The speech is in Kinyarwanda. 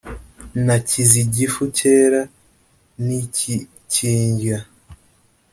Nakize igifu kera ntikikindya